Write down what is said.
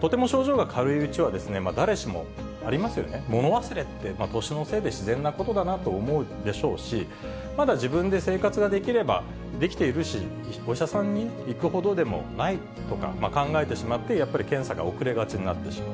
とても症状が軽いうちは、誰しもありますよね、物忘れって、年のせいで自然なことだなと思うでしょうし、まだ自分で生活ができれば、できているし、お医者さんに行くほどでもないとか考えてしまって、やっぱり検査が遅れがちになってしまう。